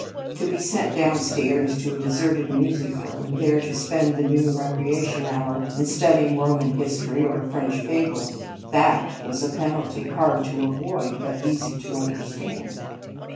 To be sent downstairs to a deserted music room, there to spend the noon recreation hour in studying Roman history or a French fable; that was a penalty, hard to avoid, but easy to understand.